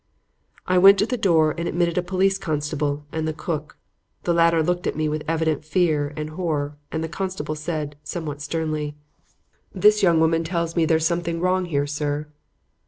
"I went to the door and admitted a police constable and the cook. The latter looked at me with evident fear and horror and the constable said, somewhat sternly: "'This young woman tells me there's something wrong here, sir.'